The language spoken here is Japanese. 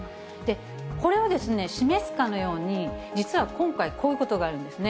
これを示すかのように、実は今回こういうことがあるんですね。